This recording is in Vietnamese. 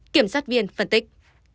kiểm sát viên phân tích